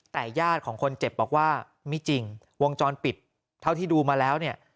แต่ญาติของคนเจ็บบอกว่าไม่จริงวงจรปิดเท่าที่ดูมาแล้วเนี่ย